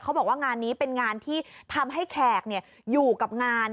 บอกว่างานนี้เป็นงานที่ทำให้แขกอยู่กับงาน